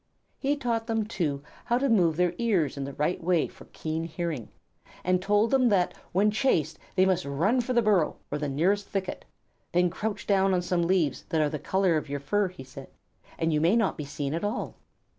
He taught them, too, how to move their ears in the right way for keen hearing, and told them that when chased they must run for the burrow or the nearest thicket. "Then crouch down on some leaves that are the color of your fur," he said, "and you may not be seen at all."